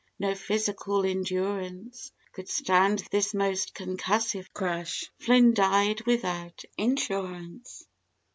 No physical endurance Could stand this most concussive crash—Flynn died without insurance.